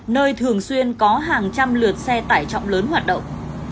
nơi thường xuyên có hàng trăm lượt xe tải trọng lớn hoạt động